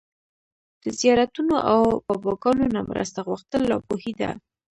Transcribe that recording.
د زيارتونو او باباګانو نه مرسته غوښتل ناپوهي ده